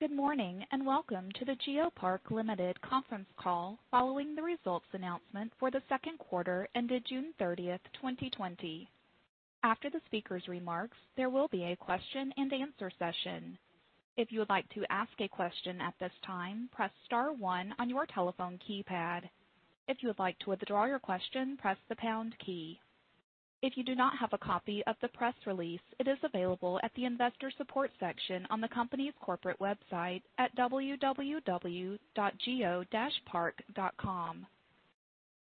Good morning, welcome to the GeoPark Limited conference call following the results announcement for the second quarter ended June 30th, 2020. After the speaker's remarks, there will be a question and answer session. If you would like to ask a question at this time, press star one on your telephone keypad. If you would like to withdraw your question, press the pound key. If you do not have a copy of the press release, it is available at the Investor Support section on the company's corporate website at www.geo-park.com.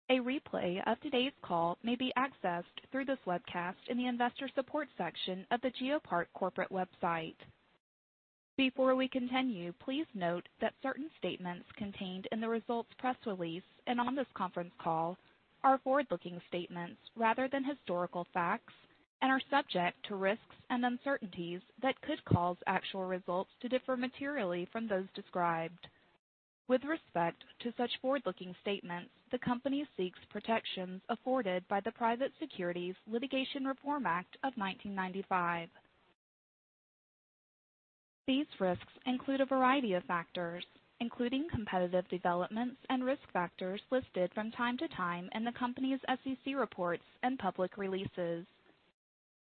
A replay of today's call may be accessed through this webcast in the Investor Support section of the GeoPark corporate website. Before we continue, please note that certain statements contained in the results press release and on this conference call are forward-looking statements rather than historical facts and are subject to risks and uncertainties that could cause actual results to differ materially from those described. With respect to such forward-looking statements, the company seeks protections afforded by the Private Securities Litigation Reform Act of 1995. These risks include a variety of factors, including competitive developments and risk factors listed from time to time in the company's SEC reports and public releases.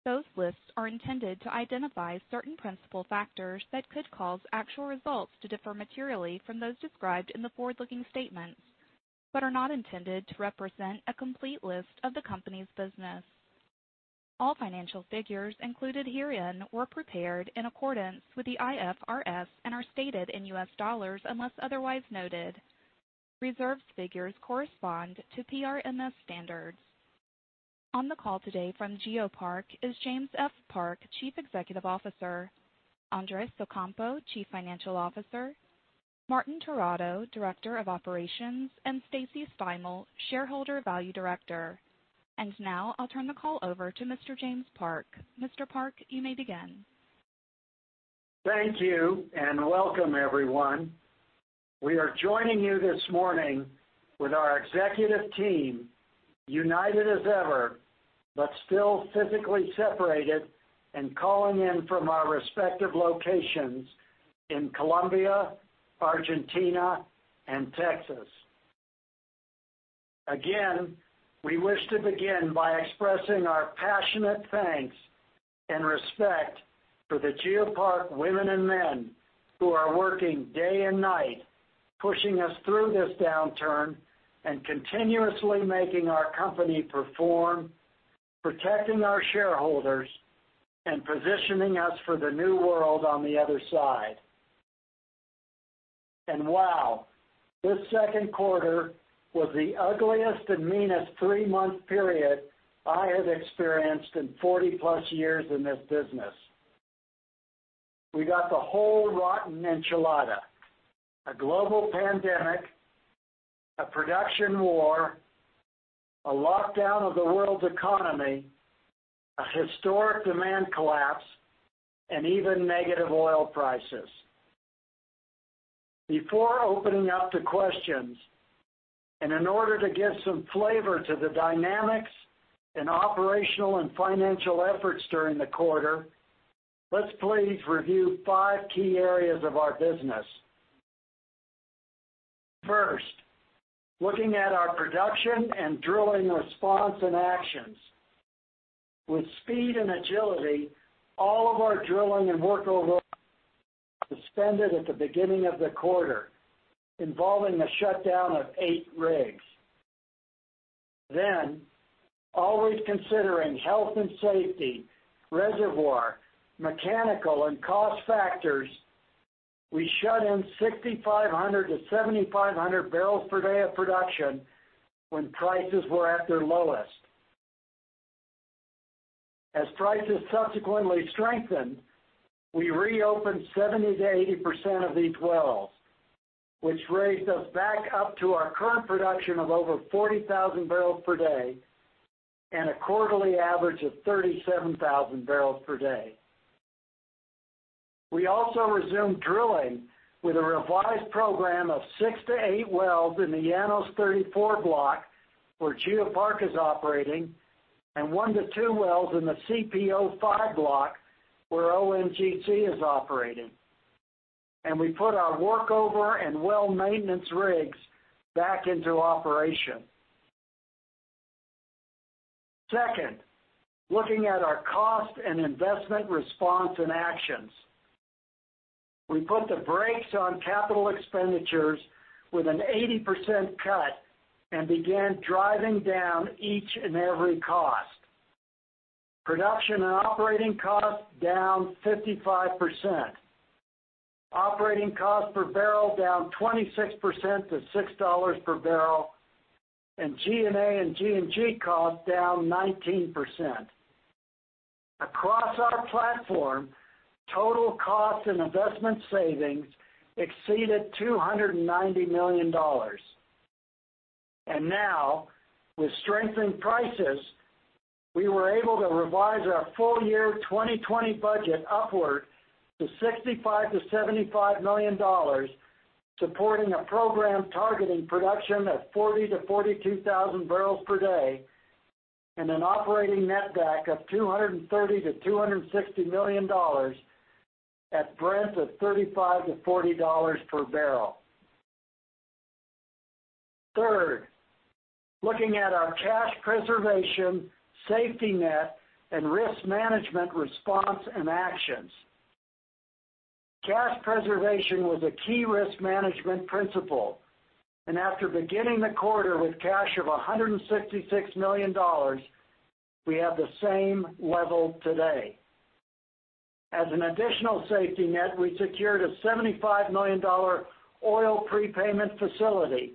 Those lists are intended to identify certain principal factors that could cause actual results to differ materially from those described in the forward-looking statements, but are not intended to represent a complete list of the company's business. All financial figures included herein were prepared in accordance with the IFRS and are stated in U.S. dollars unless otherwise noted. Reserved figures correspond to PRMS standards. On the call today from GeoPark is James F. Park, Chief Executive Officer, Andrés Ocampo, Chief Financial Officer, Martín Terrado, Director of Operations, and Stacy Steimel, Shareholder Value Director. Now I'll turn the call over to Mr. James Park. Mr. Park, you may begin. Thank you, and welcome everyone. We are joining you this morning with our executive team, united as ever, but still physically separated and calling in from our respective locations in Colombia, Argentina, and Texas. Again, we wish to begin by expressing our passionate thanks and respect for the GeoPark women and men who are working day and night, pushing us through this downturn and continuously making our company perform, protecting our shareholders, and positioning us for the new world on the other side. Wow, this second quarter was the ugliest and meanest three-month period I have experienced in 40-plus years in this business. We got the whole rotten enchilada, a global pandemic, a production war, a lockdown of the world's economy, a historic demand collapse, and even negative oil prices. Before opening up to questions, and in order to give some flavor to the dynamics and operational and financial efforts during the quarter, let's please review five key areas of our business. First, looking at our production and drilling response and actions. With speed and agility, all of our drilling and workover suspended at the beginning of the quarter, involving the shutdown of eight rigs. Always considering health and safety, reservoir, mechanical, and cost factors, we shut in 6,500 to 7,500 barrels per day of production when prices were at their lowest. As prices subsequently strengthened, we reopened 70%-80% of these wells, which raised us back up to our current production of over 40,000 barrels per day and a quarterly average of 37,000 barrels per day. We also resumed drilling with a revised program of 6-8 wells in the Llanos 34 block where GeoPark is operating and 1-2 wells in the CPO-5 block where ONGC is operating. We put our workover and well maintenance rigs back into operation. Second, looking at our cost and investment response and actions. We put the brakes on capital expenditures with an 80% cut and began driving down each and every cost. Production and operating costs down 55%. Operating cost per barrel down 26% to $6 per barrel, and G&A and G&G costs down 19%. Across our platform, total cost and investment savings exceeded $290 million. Now, with strengthened prices, we were able to revise our full year 2020 budget upward to $65 million-$75 million, supporting a program targeting production of 40,000-42,000 barrels per day. An operating netback of $230 million-$260 million at Brent of $35-$40 per barrel. Third, looking at our cash preservation, safety net, and risk management response and actions. Cash preservation was a key risk management principle. After beginning the quarter with cash of $166 million, we have the same level today. As an additional safety net, we secured a $75 million oil prepayment facility,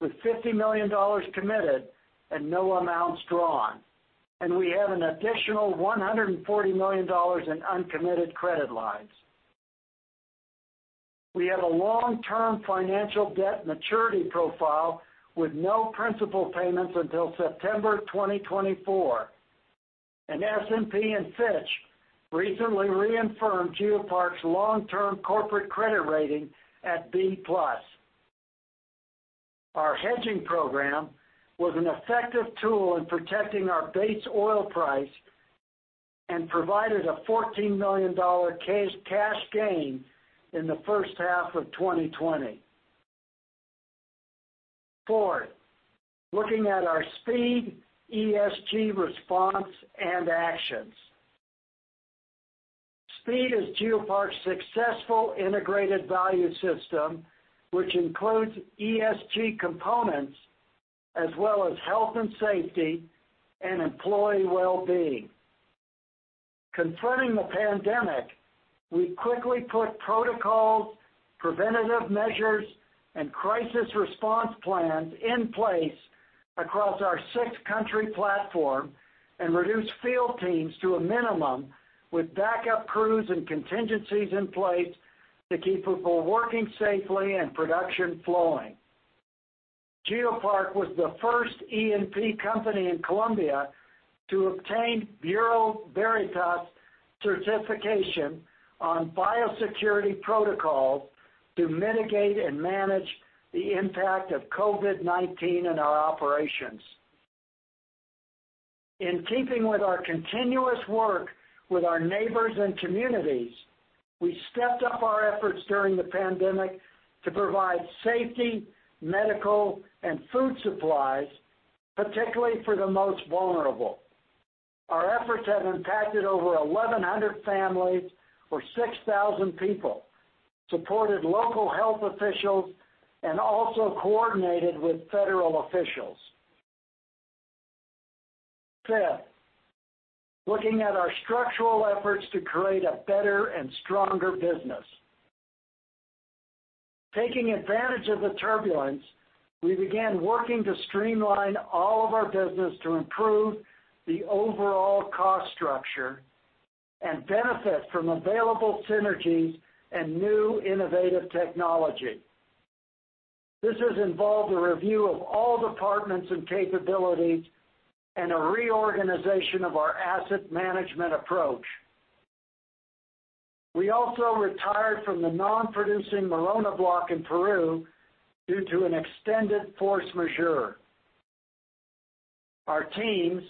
with $50 million committed and no amounts drawn. We have an additional $140 million in uncommitted credit lines. We have a long-term financial debt maturity profile with no principal payments until September 2024. S&P and Fitch recently reaffirmed GeoPark's long-term corporate credit rating at B+. Our hedging program was an effective tool in protecting our base oil price and provided a $14 million cash gain in the first half of 2020. Fourth, looking at our SPEED ESG response and actions. SPEED is GeoPark's successful integrated value system, which includes ESG components as well as health and safety and employee wellbeing. Confronting the pandemic, we quickly put protocols, preventative measures, and crisis response plans in place across our six-country platform and reduced field teams to a minimum, with backup crews and contingencies in place to keep people working safely and production flowing. GeoPark was the first E&P company in Colombia to obtain Bureau Veritas certification on biosecurity protocols to mitigate and manage the impact of COVID-19 in our operations. In keeping with our continuous work with our neighbors and communities, we stepped up our efforts during the pandemic to provide safety, medical, and food supplies, particularly for the most vulnerable. Our efforts have impacted over 1,100 families or 6,000 people, supported local health officials, and also coordinated with federal officials. Fifth, looking at our structural efforts to create a better and stronger business. Taking advantage of the turbulence, we began working to streamline all of our business to improve the overall cost structure and benefit from available synergies and new innovative technology. This has involved a review of all departments and capabilities and a reorganization of our asset management approach. We also retired from the non-producing Morona block in Peru due to an extended force majeure. Our teams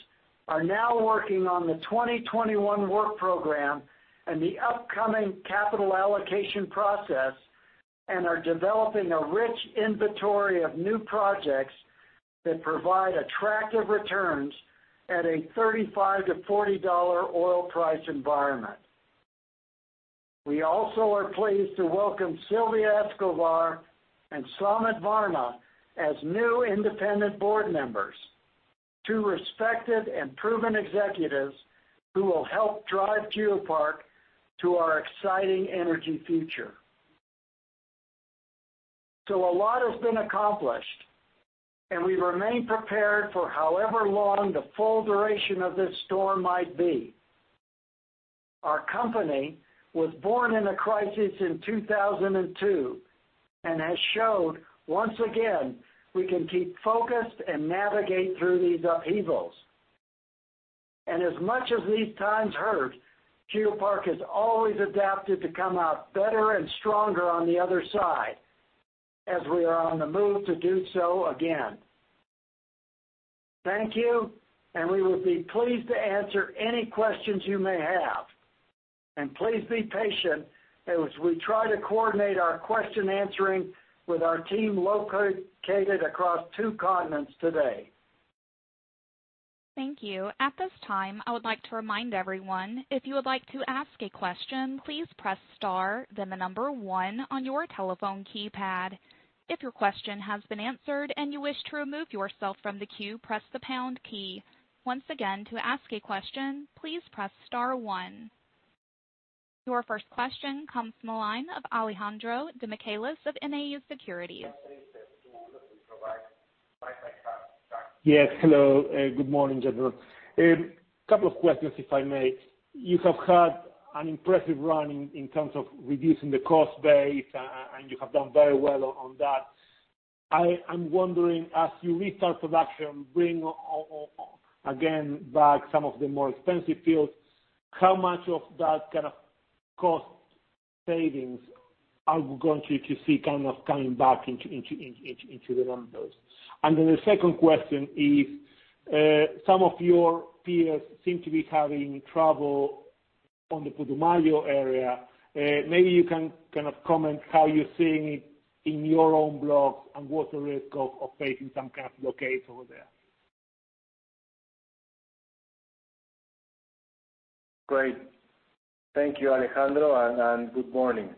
are now working on the 2021 work program and the upcoming capital allocation process and are developing a rich inventory of new projects that provide attractive returns at a $35-$40 oil price environment. We also are pleased to welcome Sylvia Escovar and Somit Varma as new independent board members, two respected and proven executives who will help drive GeoPark to our exciting energy future. A lot has been accomplished, and we remain prepared for however long the full duration of this storm might be. Our company was born in a crisis in 2002 and has showed, once again, we can keep focused and navigate through these upheavals. As much as these times hurt, GeoPark has always adapted to come out better and stronger on the other side, as we are on the move to do so again. Thank you. We would be pleased to answer any questions you may have. Please be patient as we try to coordinate our question answering with our team located across two continents today. Thank you. At this time, I would like to remind everyone, if you would like to ask a question, please press star then the number one on your telephone keypad. If your question has been answered and you wish to remove yourself from the queue, press the pound key. Once again, to ask a question, please press star one. Your first question comes from the line of Alejandro Demichelis of NAU Securities. Yes. Hello. Good morning, gentlemen. A couple of questions, if I may. You have had an impressive run in terms of reducing the cost base, and you have done very well on that. I'm wondering, as you restart production, bring again back some of the more expensive fields, how much of that kind of cost savings are we going to see coming back into the numbers? The second question is, some of your peers seem to be having trouble on the Putumayo area. Maybe you can comment how you're seeing it in your own blocks and what's the risk of facing some kind of blockade over there. Great. Thank you, Alejandro, and good morning.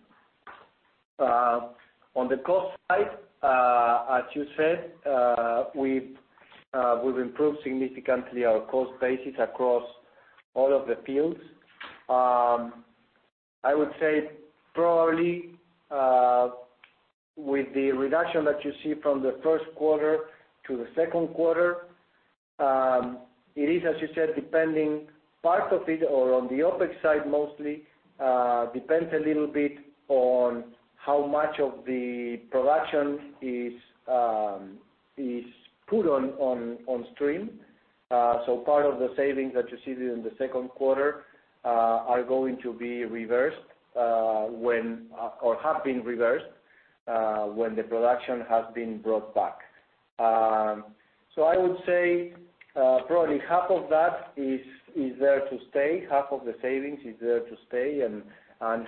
On the cost side, as you said, we've improved significantly our cost basis across all of the fields. I would say, probably with the reduction that you see from the first quarter to the second quarter, it is, as you said, depending part of it or on the OpEx side mostly, depends a little bit on how much of the production is put on stream. Part of the savings that you see during the second quarter are going to be reversed or have been reversed, when the production has been brought back. I would say probably half of that is there to stay. Half of the savings is there to stay, and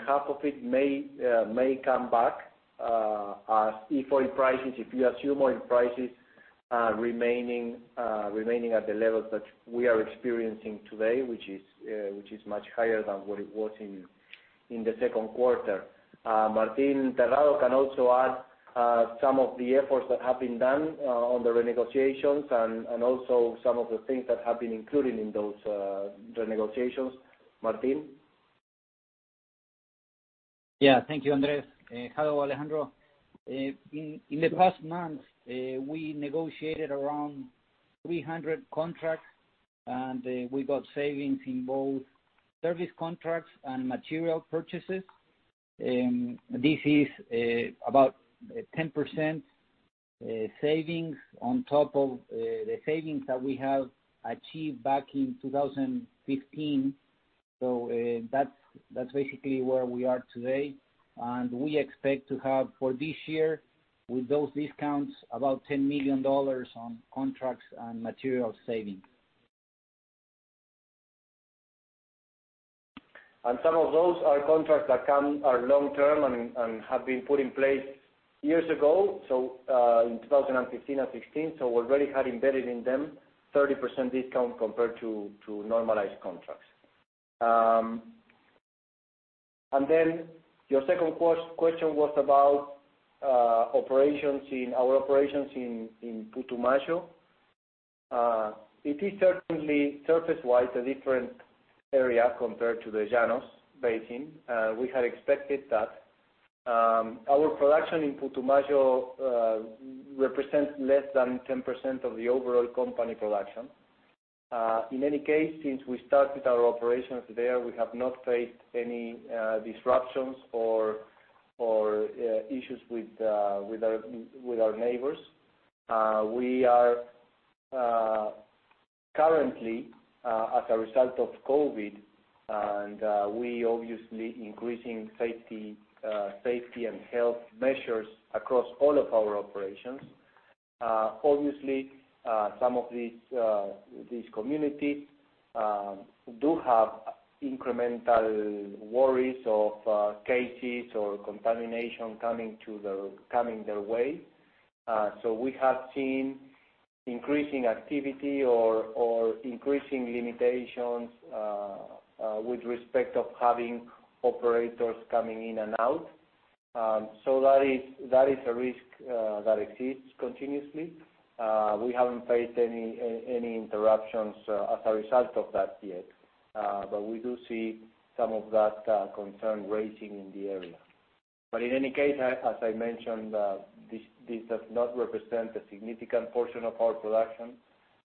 half of it may come back as if oil prices, if you assume oil prices remaining at the levels that we are experiencing today, which is much higher than what it was in the second quarter. Martín Terrado can also add some of the efforts that have been done on the renegotiations and also some of the things that have been included in those renegotiations. Martín? Yeah. Thank you, Andrés. Hello, Alejandro. In the past month, we negotiated around 300 contracts, and we got savings in both service contracts and material purchases. This is about 10% savings on top of the savings that we have achieved back in 2015. That's basically where we are today. We expect to have, for this year, with those discounts, about $10 million on contracts and material savings. Some of those are contracts that are long-term and have been put in place years ago, in 2015 and 2016. Already had embedded in them 30% discount compared to normalized contracts. Your second question was about our operations in Putumayo. It is certainly surface-wide a different area compared to the Llanos Basin. We had expected that. Our production in Putumayo represents less than 10% of the overall company production. In any case, since we started our operations there, we have not faced any disruptions or issues with our neighbors. We are currently, as a result of COVID, and we obviously increasing safety and health measures across all of our operations. Obviously, some of these communities do have incremental worries of cases or contamination coming their way. We have seen increasing activity or increasing limitations with respect of having operators coming in and out. That is a risk that exists continuously. We haven't faced any interruptions as a result of that yet. We do see some of that concern raising in the area. In any case, as I mentioned, this does not represent a significant portion of our production.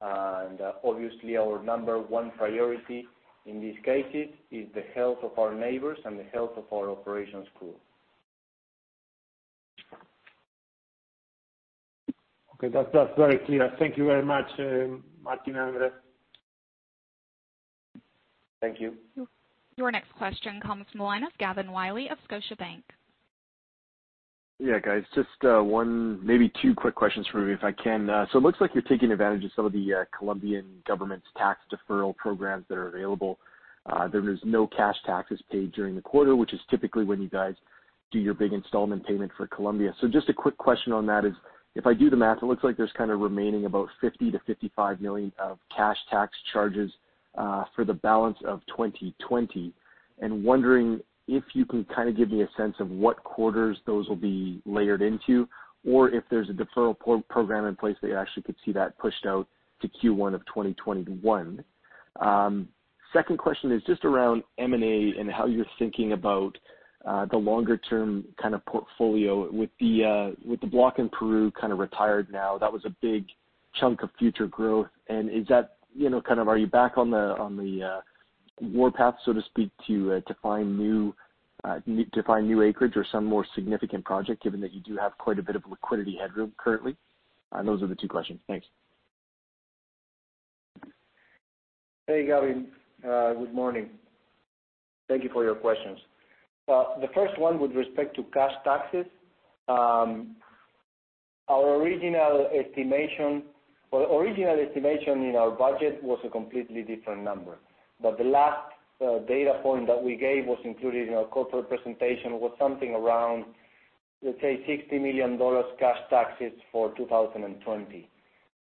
Obviously our number one priority in these cases is the health of our neighbors and the health of our operations crew. Okay. That's very clear. Thank you very much, Martín, Andrés. Thank you. Your next question comes from the line of Gavin Wylie of Scotiabank. Yeah, guys. Just one, maybe two quick questions for me, if I can. It looks like you're taking advantage of some of the Colombian government's tax deferral programs that are available. There was no cash taxes paid during the quarter, which is typically when you guys do your big installment payment for Colombia. Just a quick question on that is, if I do the math, it looks like there's kind of remaining about $50 million-$55 million of cash tax charges for the balance of 2020. Wondering if you can kind of give me a sense of what quarters those will be layered into or if there's a deferral program in place that you actually could see that pushed out to Q1 of 2021. Second question is just around M&A and how you're thinking about the longer-term kind of portfolio with the block in Peru kind of retired now. That was a big chunk of future growth, are you back on the war path, so to speak, to find new acreage or some more significant project, given that you do have quite a bit of liquidity headroom currently? Those are the two questions. Thanks. Hey, Gavin. Good morning. Thank you for your questions. The first one with respect to cash taxes. Our original estimation in our budget was a completely different number. The last data point that we gave was included in our corporate presentation, was something around, let's say, $60 million cash taxes for 2020,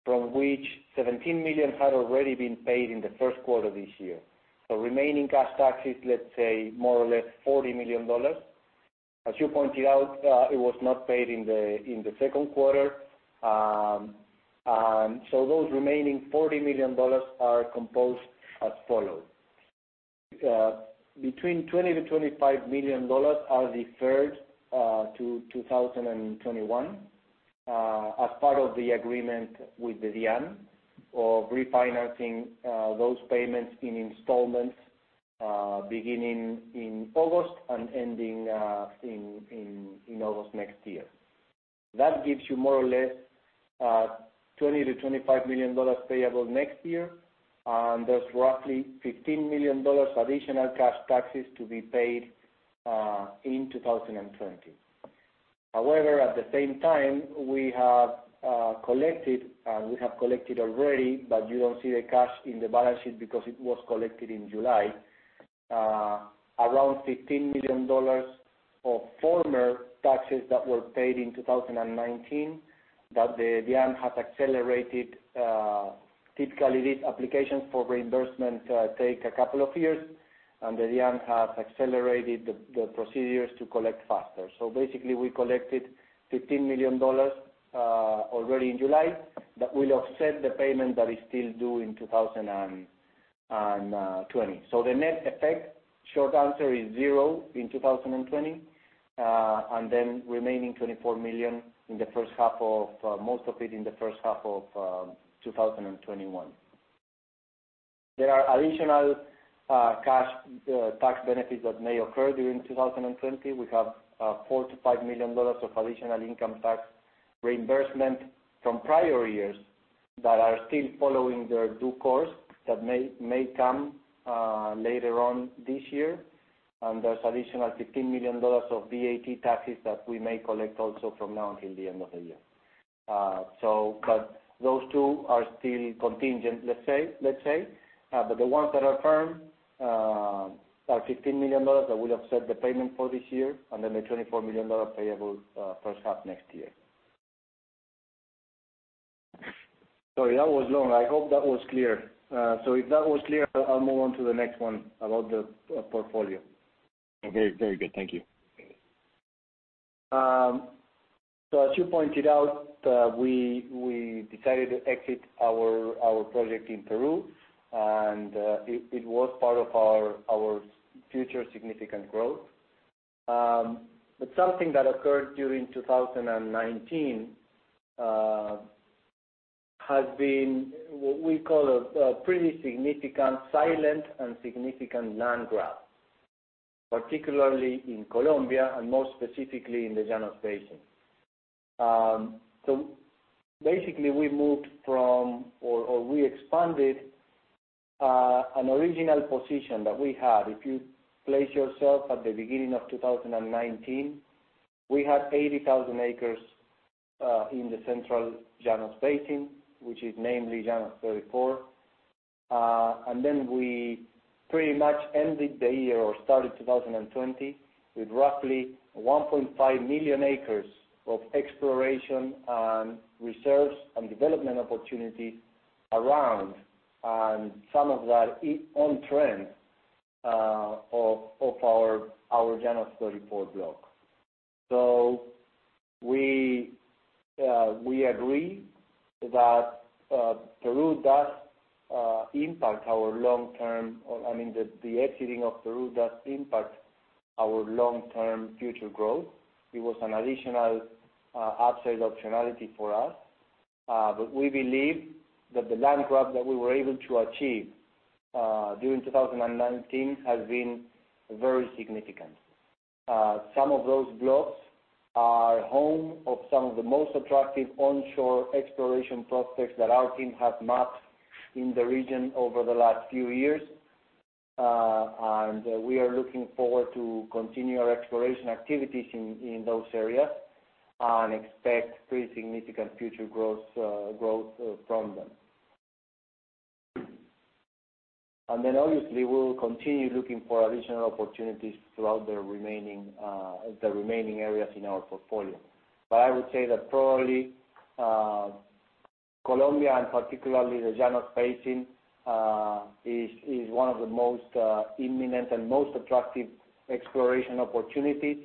from which $17 million had already been paid in the first quarter of this year. Remaining cash taxes, let's say, more or less $40 million. As you pointed out, it was not paid in the second quarter. Those remaining $40 million are composed as follows. Between $20 million-$25 million are deferred to 2021 as part of the agreement with the DIAN of refinancing those payments in installments beginning in August and ending in August next year. That gives you more or less $20 million-$25 million payable next year. There's roughly $15 million additional cash taxes to be paid in 2020. However, at the same time, we have collected already, but you don't see the cash in the balance sheet because it was collected in July, around $15 million of former taxes that were paid in 2019 that the DIAN has accelerated. Typically, these applications for reimbursement take a couple of years, and the DIAN has accelerated the procedures to collect faster. Basically, we collected $15 million already in July. That will offset the payment that is still due in 2020. The net effect, short answer, is zero in 2020, and then remaining $24 million, most of it in the first half of 2021. There are additional cash tax benefits that may occur during 2020. We have $4 million-$5 million of additional income tax reimbursement from prior years that are still following their due course that may come later on this year. There's additional $15 million of VAT taxes that we may collect also from now until the end of the year. Those two are still contingent, let's say. The ones that are firm are $15 million that will offset the payment for this year, and then the $24 million payable first half next year. Sorry, that was long. I hope that was clear. If that was clear, I'll move on to the next one about the portfolio. Very good. Thank you. As you pointed out, we decided to exit our project in Peru, and it was part of our future significant growth. Something that occurred during 2019 has been what we call a pretty silent and significant land grab, particularly in Colombia and more specifically in the Llanos Basin. Basically, we moved from or we expanded an original position that we had. If you place yourself at the beginning of 2019, we had 80,000 acres in the central Llanos Basin, which is namely Llanos 34. We pretty much ended the year or started 2020 with roughly 1.5 million acres of exploration and reserves and development opportunities around, and some of that on trend of our Llanos 34 block. We agree that the exiting of Peru does impact our long-term future growth. It was an additional upside optionality for us. We believe that the land grab that we were able to achieve during 2019 has been very significant. Some of those blocks are home of some of the most attractive onshore exploration prospects that our team has mapped in the region over the last few years. We are looking forward to continue our exploration activities in those areas and expect pretty significant future growth from them. Obviously, we will continue looking for additional opportunities throughout the remaining areas in our portfolio. I would say that probably Colombia, and particularly the Llanos Basin, is one of the most imminent and most attractive exploration opportunities.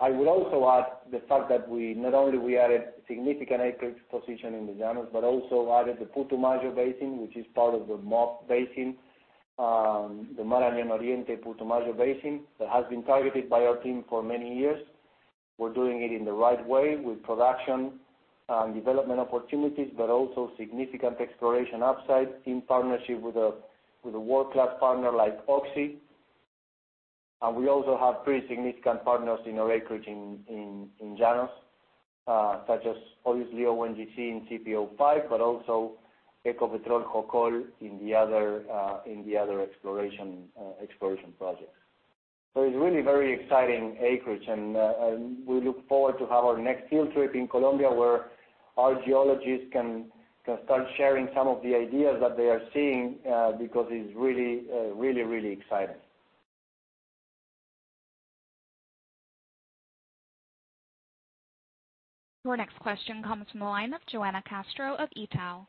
I would also add the fact that not only we added significant acreage position in the Llanos, but also added the Putumayo Basin, which is part of the Marañón-Oriente-Putumayo Basin, the Marañón, Oriente, Putumayo Basin, that has been targeted by our team for many years. We're doing it in the right way with production and development opportunities, but also significant exploration upside in partnership with a world-class partner like Oxy. We also have pretty significant partners in our acreage in Llanos, such as obviously ONGC in CPO-5, but also Ecopetrol, Hocol in the other exploration projects. It's a really very exciting acreage, and we look forward to have our next field trip in Colombia where our geologists can start sharing some of the ideas that they are seeing, because it's really exciting. Your next question comes from the line of Johanna Castro of Itaú.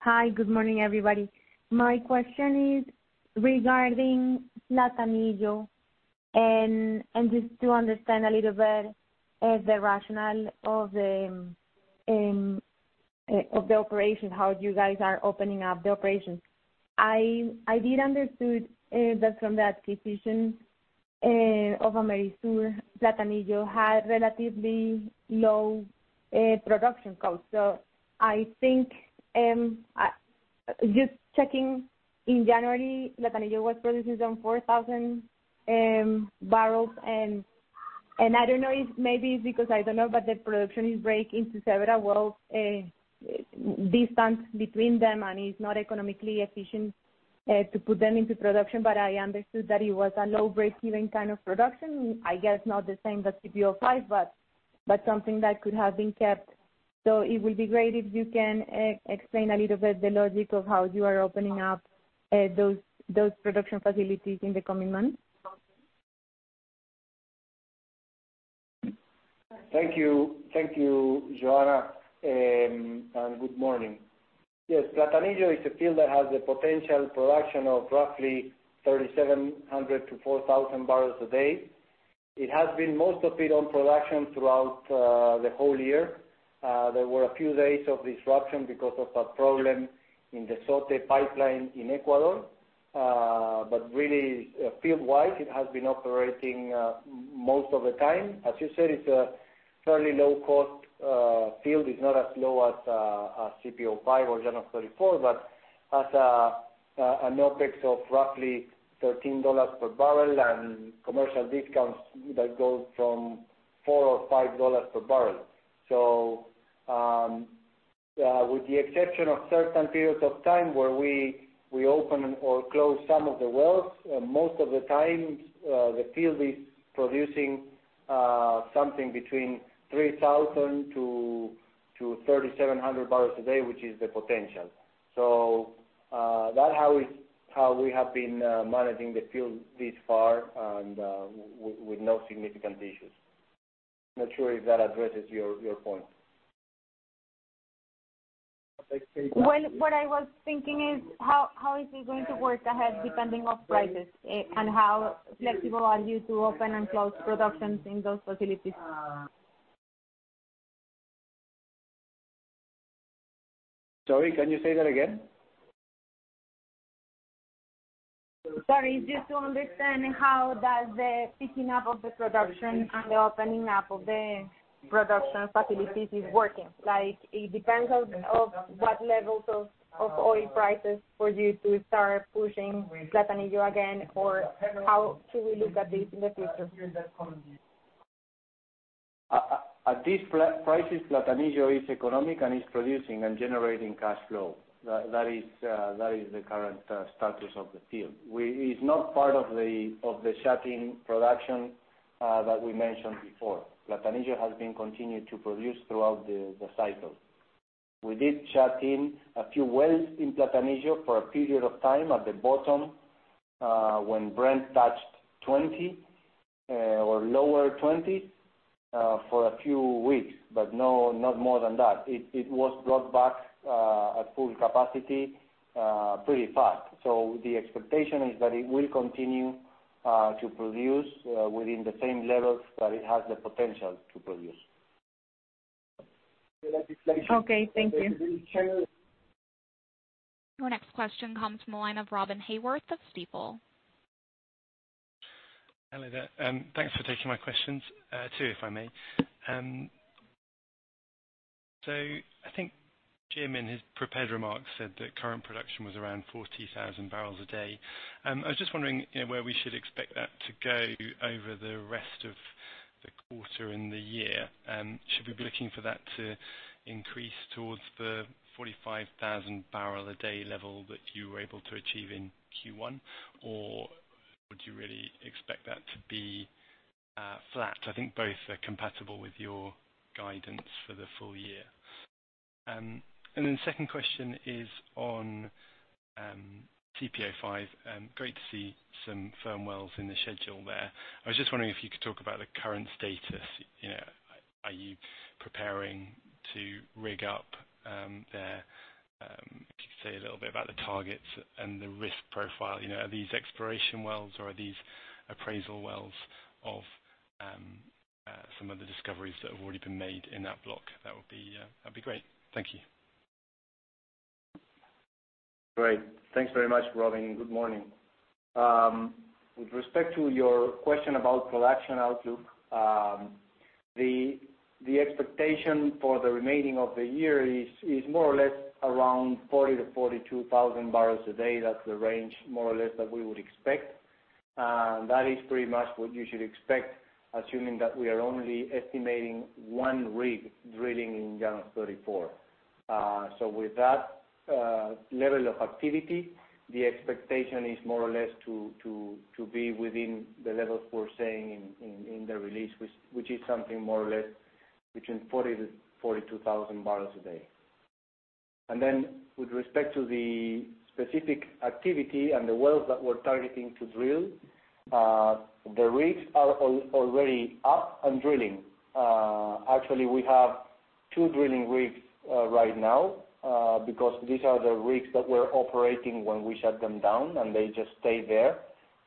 Hi, good morning, everybody. My question is regarding Platanillo, and just to understand a little bit of the rationale of the operation, how you guys are opening up the operations. I did understood that from the acquisition of Amerisur, Platanillo had relatively low production costs. I think, just checking in January, Platanillo was producing 4,000 barrels. I don't know if maybe it's because, I don't know, but the production is break into several wells, distance between them, and it's not economically efficient to put them into production. I understood that it was a low breakeven kind of production. I guess not the same as CPO-5, but something that could have been kept. It will be great if you can explain a little bit the logic of how you are opening up those production facilities in the coming months. Thank you, Johanna, and good morning. Yes, Platanillo is a field that has the potential production of roughly 3,700-4,000 barrels a day. It has been most of it on production throughout the whole year. There were a few days of disruption because of a problem in the SOTE pipeline in Ecuador. Really, field-wide, it has been operating most of the time. As you said, it's a fairly low-cost field. It's not as low as CPO-5 or Llanos 34, but has an OpEx of roughly $13 per barrel and commercial discounts that goes from $4 or $5 per barrel. With the exception of certain periods of time where we open or close some of the wells, most of the time the field is producing something between 3,000-3,700 barrels a day, which is the potential. That how we have been managing the field this far and with no significant issues. Not sure if that addresses your point. What I was thinking is, how is it going to work ahead depending on prices, and how flexible are you to open and close productions in those facilities? Sorry, can you say that again? Sorry, just to understand how does the picking up of the production and the opening up of the production facilities is working? It depends on what levels of oil prices for you to start pushing Platanillo again, or how should we look at this in the future? At these prices, Platanillo is economic and is producing and generating cash flow. That is the current status of the field. It is not part of the shut-in production that we mentioned before. Platanillo has been continued to produce throughout the cycle. We did shut in a few wells in Platanillo for a period of time at the bottom, when Brent touched $20, or lower $20s, for a few weeks. Not more than that. It was brought back at full capacity pretty fast. The expectation is that it will continue to produce within the same levels that it has the potential to produce. Okay. Thank you. Your next question comes from the line of Robin Haworth of Stifel. Hello there. Thanks for taking my questions. Two, if I may. I think Jim, in his prepared remarks, said that current production was around 40,000 barrels a day. I was just wondering where we should expect that to go over the rest of the quarter and the year. Should we be looking for that to increase towards the 45,000 barrel a day level that you were able to achieve in Q1, or would you really expect that to be flat? I think both are compatible with your guidance for the full year. Second question is on CPO-5. Great to see some firm wells in the schedule there. I was just wondering if you could talk about the current status. Are you preparing to rig up there? If you could say a little bit about the targets and the risk profile. Are these exploration wells, or are these appraisal wells of some of the discoveries that have already been made in that block? That'd be great. Thank you. Great. Thanks very much, Robin, and good morning. With respect to your question about production outlook, the expectation for the remaining of the year is more or less around 40,000-42,000 barrels a day. That's the range, more or less, that we would expect. That is pretty much what you should expect, assuming that we are only estimating one rig drilling in Llanos 34. With that level of activity, the expectation is more or less to be within the levels we're saying in the release, which is something more or less between 40,000-42,000 barrels a day. With respect to the specific activity and the wells that we're targeting to drill, the rigs are already up and drilling. Actually, we have two drilling rigs right now because these are the rigs that were operating when we shut them down, and they just stay there.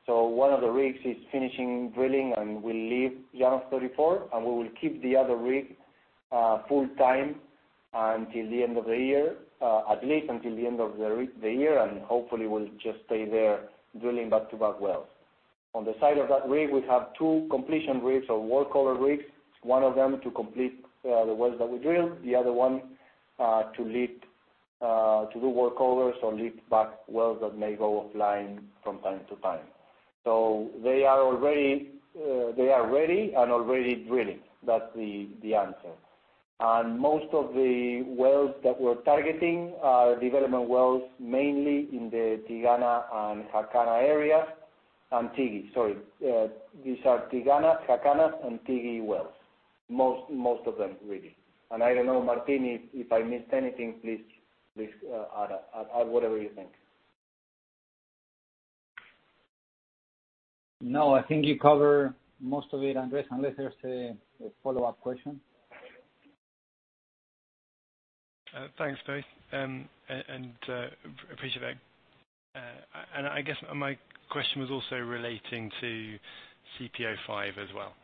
One of the rigs is finishing drilling and will leave Llanos 34, and we will keep the other rig full-time until the end of the year, at least until the end of the year, and hopefully will just stay there drilling back-to-back wells. On the side of that rig, we have two completion rigs or workover rigs, one of them to complete the wells that we drill, the other one to do workovers or lead back wells that may go offline from time to time. They are ready and already drilling. That's the answer. Most of the wells that we're targeting are development wells, mainly in the Tigana and Jacana area. Tigui, sorry. These are Tigana, Jacana, and Tigui wells. Most of them, really. I don't know, Martín, if I missed anything, please add whatever you think. I think you covered most of it, Andrés, unless there's a follow-up question. Thanks, both, and appreciate that. I guess my question was also relating to CPO-5 as well.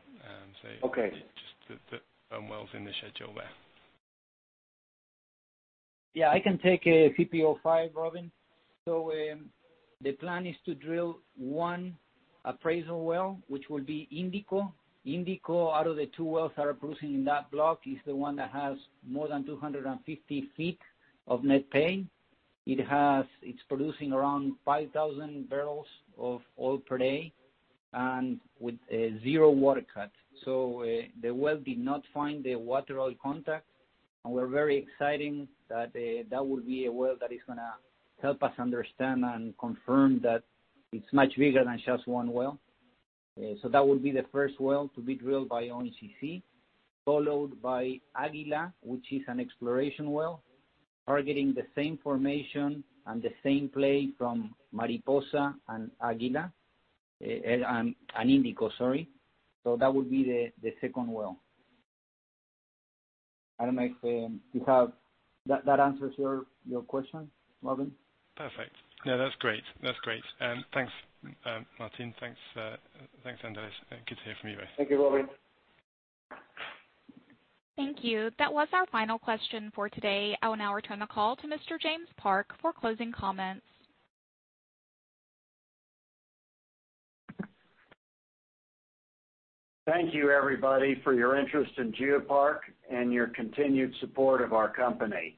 Okay. Just the wells in the schedule there. Yeah, I can take CPO-5, Robin. The plan is to drill one appraisal well, which will be Índico. Índico, out of the two wells that are producing in that block, is the one that has more than 250 feet of net pay. It's producing around 5,000 barrels of oil per day and with zero water cut. The well did not find the water oil contact, and we're very excited that that will be a well that is going to help us understand and confirm that it's much bigger than just one well. That will be the first well to be drilled by ONGC, followed by Aguila, which is an exploration well targeting the same formation and the same play from Mariposa and Índico. That would be the second well. I don't know if that answers your question, Robin. Perfect. No, that's great. Thanks, Martín. Thanks, Andrés. Good to hear from you both. Thank you, Robin. Thank you. That was our final question for today. I will now return the call to Mr. James Park for closing comments. Thank you, everybody, for your interest in GeoPark and your continued support of our company.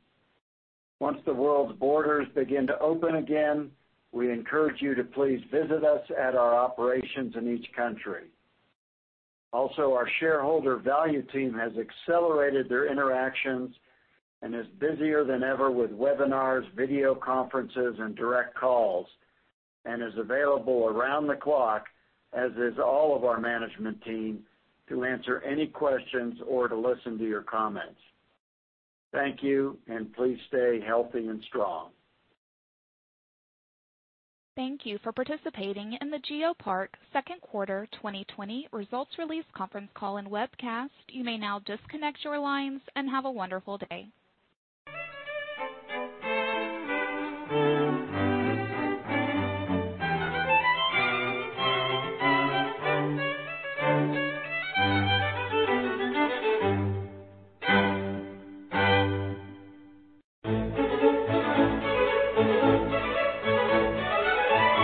Once the world's borders begin to open again, we encourage you to please visit us at our operations in each country. Also, our shareholder value team has accelerated their interactions and is busier than ever with webinars, video conferences, and direct calls, and is available around the clock, as is all of our management team, to answer any questions or to listen to your comments. Thank you, and please stay healthy and strong. Thank you for participating in the GeoPark Second Quarter 2020 Results Release Conference Call and Webcast. You may now disconnect your lines, and have a wonderful day.